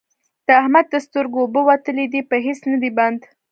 د احمد د سترګو اوبه وتلې دي؛ په هيڅ نه دی بند،